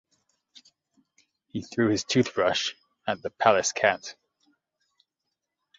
He threw his tooth-brush at the palace cat.